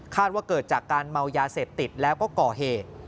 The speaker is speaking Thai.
ว่าเกิดจากการเมายาเสพติดแล้วก็ก่อเหตุ